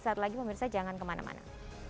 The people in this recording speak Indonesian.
saat lagi pemirsa jangan kemana mana